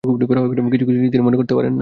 কিছু কিছু জিনিস তিনি মনে করতে পারেন না।